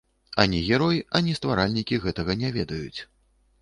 Ані герой, ані стваральнікі гэтага не ведаюць.